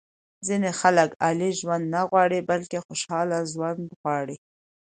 ځینې خلک عالي ژوند نه غواړي بلکې خوشاله ژوند غواړي.